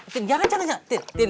tin jangan jangan tin